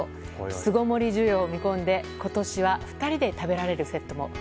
巣ごもり需要を見込んで今年は２人で食べられるセットも。